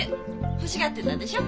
欲しがってたでしょ。